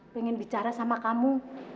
pengen bicara sama kamu